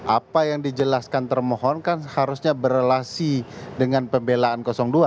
apa yang dijelaskan termohon kan harusnya berrelasi dengan pembelaan dua